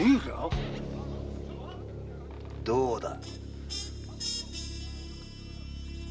どうだ？